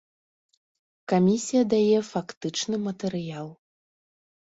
Камісія дае фактычны матэрыял.